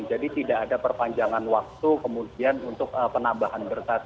jadi tidak ada perpanjangan waktu kemudian untuk penambahan kertas